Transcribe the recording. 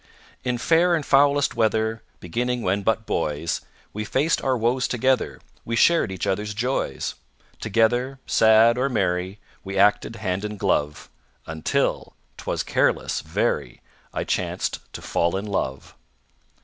In fair and foulest weather, Beginning when but boys, We faced our woes together, We shared each other's joys. Together, sad or merry, We acted hand in glove, Until 'twas careless, very I chanced to fall in love.